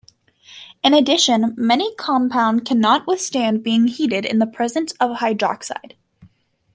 In addition, many compound can not withstand being heated in the presence of hydroxide.